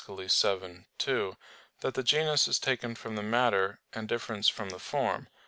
vii, 2), that the genus is taken from the matter, and difference from the form.